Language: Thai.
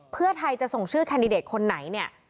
เพื่อไทยจะส่งชื่อแคนดิเดตคนไหนเนี่ย